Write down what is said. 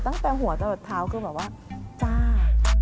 ตั้งแต่หัวจะหลดเท้าคือแบบว่าจ้า